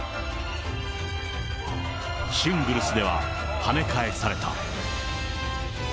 シングルスでははね返された。